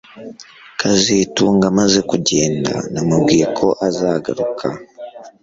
kazitunga amaze kugenda namubwiye ko azagaruka